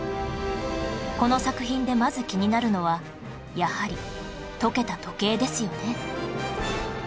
この作品でまず気になるのはやはり溶けた時計ですよね